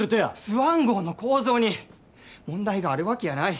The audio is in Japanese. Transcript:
スワン号の構造に問題があるわけやない。